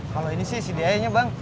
kalau ini sih cdi nya bang